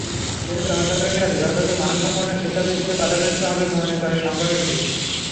এতে জনসাধারণের কাছে যথাযথ মানসম্পন্ন শিক্ষা বিস্তারের বাধাগ্রস্ত হবে মনে করে সংগঠনটি।